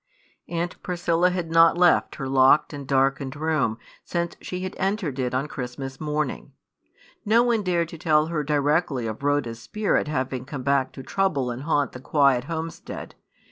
Aunt Priscilla had not left her locked and darkened room since she had entered it on Christmas morning. No one dared to tell her directly of Rhoda's spirit having come back to trouble and haunt the quiet homestead.